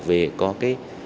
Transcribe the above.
về có cái